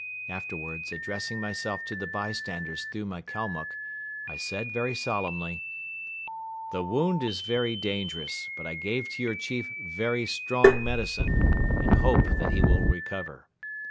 Afterwards, addressing myself to the bystanders through my Kalmuck, I said very solemnly: "The wound is very dangerous but I gave to your Chief very strong medicine and hope that he will recover.